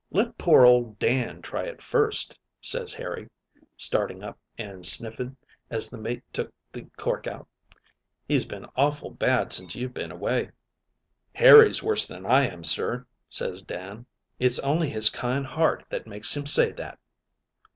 "'Let pore old Dan try it first, sir,' ses Harry, starting up, an' sniffing as the mate took the cork out; 'he's been awful bad since you've been away.' "'Harry's worse than I am, sir,' ses Dan; 'it's only his kind heart that makes him say that.'